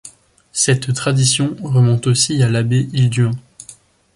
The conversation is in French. Cette tradition remonte aussi à l'abbé Hilduin.